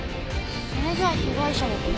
それじゃあ被害者はここの水で？